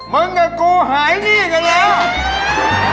มึงกับกูหายหนี้กันแล้ว